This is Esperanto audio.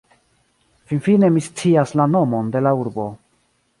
Finfine, mi scias la nomon de la urbo